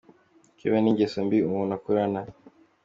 Kwiba n'ingeso mbi umuntu akurana.